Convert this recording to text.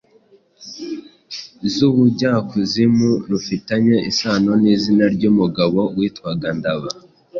z’ubujyakuzimu rufitanye isano n’izina ry’umugabo witwaga Ndaba.